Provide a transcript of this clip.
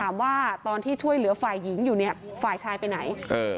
ถามว่าตอนที่ช่วยเหลือฝ่ายหญิงอยู่ฝ่ายชายไปไหน